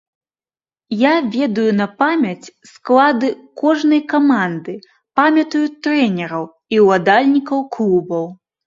Я ведаю на памяць склады кожнай каманды, памятаю трэнераў і ўладальнікаў клубаў.